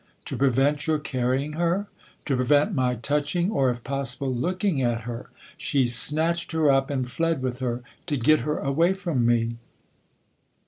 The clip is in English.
" To prevent your carrying her ?"" To prevent my touching or, if possible, looking at her. She snatched her up and fled with her to get her away from me."